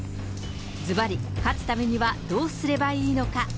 ずばり、勝つためにはどうすればいいのか。